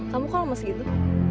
kamu kok lama segitu